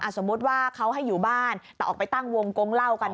สมมุติว่าเขาให้อยู่บ้านแต่ออกไปตั้งวงกงเล่ากัน